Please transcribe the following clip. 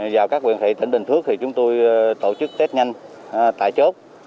vào các huyện thị tỉnh bình phước thì chúng tôi tổ chức test nhanh tại chốt